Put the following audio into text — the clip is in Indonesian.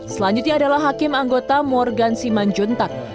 selanjutnya adalah hakim anggota morgan siman juntak